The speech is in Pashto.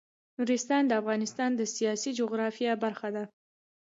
نورستان د افغانستان د سیاسي جغرافیه برخه ده.